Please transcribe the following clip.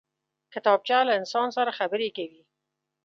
کتابچه له انسان سره خبرې کوي